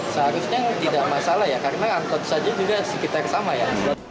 seharusnya tidak masalah ya karena angkot saja juga sekitar sama ya